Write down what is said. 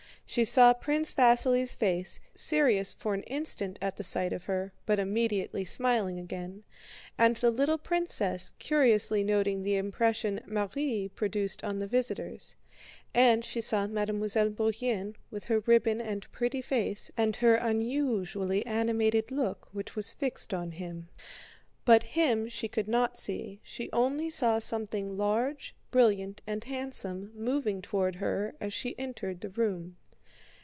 She saw Prince Vasíli's face, serious for an instant at the sight of her, but immediately smiling again, and the little princess curiously noting the impression "Marie" produced on the visitors. And she saw Mademoiselle Bourienne, with her ribbon and pretty face, and her unusually animated look which was fixed on him, but him she could not see, she only saw something large, brilliant, and handsome moving toward her as she entered the room.